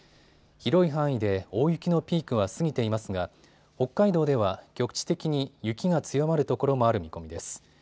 広い範囲で大雪のピークは過ぎていますが、北海道では局地的に雪が強まる所もある見込みです。